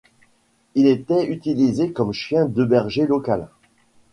Il était utilisé comme chien de berger local.